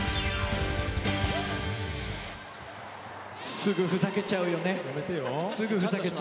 すぐふざけちゃうよね。